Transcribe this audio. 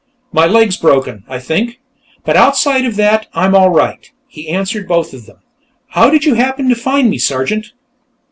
"My leg's broken, I think, but outside of that I'm all right," he answered both of them. "How did you happen to find me, Sergeant?"